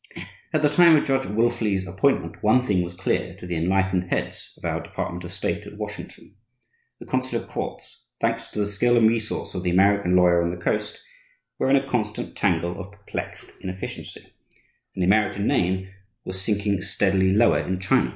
At the time of Judge Wilfley's appointment one thing was clear to the enlightened heads of our Department of State at Washington; the consular courts, thanks to the skill and resource of the American lawyer on the Coast, were in a constant tangle of perplexed inefficiency, and the American name was sinking steadily lower in China.